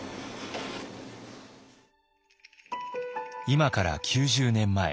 今から９０年前。